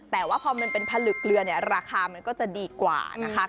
แต่พอผลึกเรือน่ะราคาก็จะดีกว่างึง